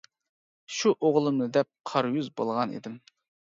شۇ ئوغلۇمنى دەپ قارا يۈز بولغان ئىدىم.